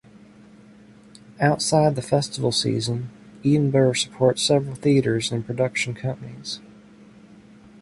Outside the Festival season, Edinburgh supports several theatres and production companies.